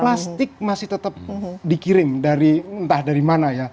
plastik masih tetap dikirim dari entah dari mana ya